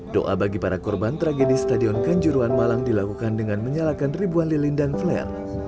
doa bagi para korban tragedi stadion kanjuruan malang dilakukan dengan menyalakan ribuan lilin dan flare